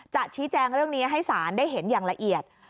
ชี้แจงเรื่องนี้ให้ศาลได้เห็นอย่างละเอียด